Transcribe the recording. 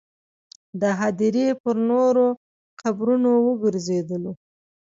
د هدیرې پر نورو قبرونو وګرځېدلو.